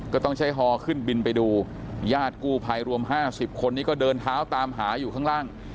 ก็ต้องใช้ฮอขึ้นบินไปดูญาติกู้ภัยรวม๕๐คนนี้ก็เดินเท้าตามหาอยู่ข้างล่าง